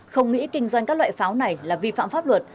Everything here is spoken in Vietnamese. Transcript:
không nghĩ kinh doanh các loại pháo này là vi phạm pháp luật